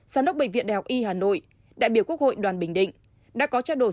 sản đốc bệnh viện đh y hà nội đại biểu quốc hội đoàn bình định đã có trao đổi